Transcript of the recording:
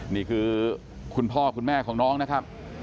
นี่คือคุณพ่อคุณแม่ของน้องนะครับ